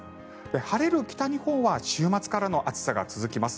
晴れる北日本は週末からの暑さが続きます。